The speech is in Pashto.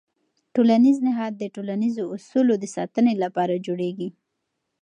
ټولنیز نهاد د ټولنیزو اصولو د ساتنې لپاره جوړېږي.